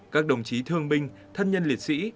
các đồng chí thương minh thân nhân liệt sĩ